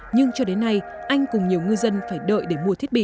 nhưng cho đến nay anh cùng nhiều ngư dân phải đợi để mua thiết bị